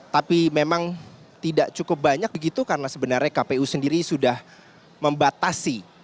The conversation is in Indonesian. tapi memang tidak cukup banyak begitu karena sebenarnya kpu sendiri sudah membatasi